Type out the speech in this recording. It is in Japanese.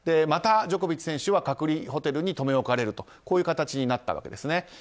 また、ジョコビッチ選手は隔離ホテルに留め置かれるとこういう形になったわけですね。